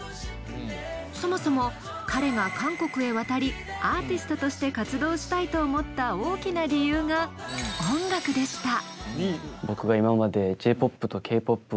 そもそも彼が韓国へ渡りアーティストとして活動したいと思った大きな理由が音楽でした。